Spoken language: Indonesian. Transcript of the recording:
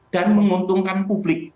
dan menguntungkan publik